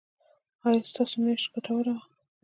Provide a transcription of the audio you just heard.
ایا ستاسو میاشت ګټوره وه؟